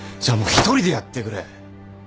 じゃあもう一人でやってくれ。